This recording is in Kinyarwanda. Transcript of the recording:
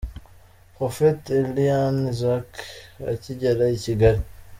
Prophetess Eliane Isaac akigera i Kigali.